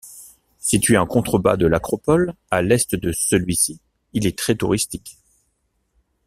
Situé en contrebas de l’Acropole, à l'est de celui-ci, il est très touristique.